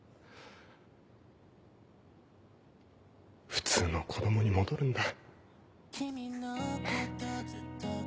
普通の子供に戻るんだ。